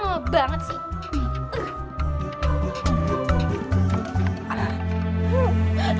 gila banget sih